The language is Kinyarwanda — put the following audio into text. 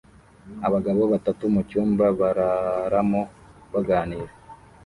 Abagabo batatu mucyumba bararamo baganira